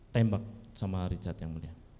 tembak sama richard yang mulia